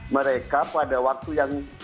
mereka pada waktu yang